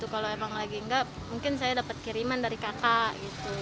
kalau emang lagi enggak mungkin saya dapat kiriman dari kakak gitu